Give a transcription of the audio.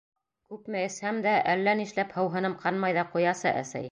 — Күпме эсһәм дә, әллә нишләп һыуһыным ҡанмай ҙа ҡуясы, әсәй.